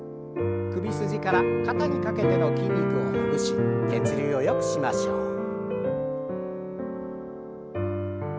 首筋から肩にかけての筋肉をほぐし血流をよくしましょう。